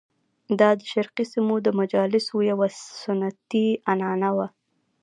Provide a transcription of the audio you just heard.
دا د شرقي سیمو د مجالسو یوه سنتي عنعنه وه.